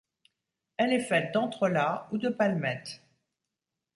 Elle est faite d'entrelacs ou de palmettes.